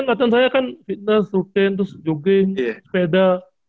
latihan saya kan fitness routine jogging sepeda